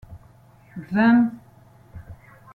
vingt